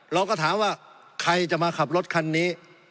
เราก็ถามว่าใครจะมาขับรถคันนี้